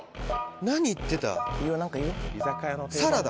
何言ってた？